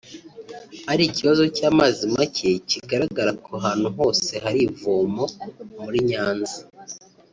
ari ikibazo cy’amazi macye kigaragara ku hantu hose hari ivomo muri Nyanza